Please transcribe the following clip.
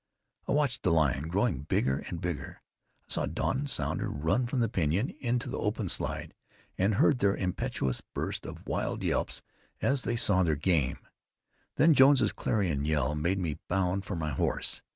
I watched the lion growing bigger and bigger. I saw Don and Sounder run from the pinyon into the open slide, and heard their impetuous burst of wild yelps as they saw their game. Then Jones's clarion yell made me bound for my horse.